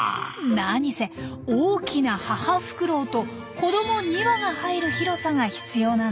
なにせ大きな母フクロウと子ども２羽が入る広さが必要なんです。